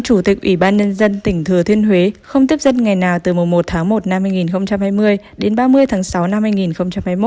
chủ tịch ủy ban nhân dân tỉnh thừa thiên huế không tiếp dân ngày nào từ mùa một tháng một năm hai nghìn hai mươi đến ba mươi tháng sáu năm hai nghìn hai mươi một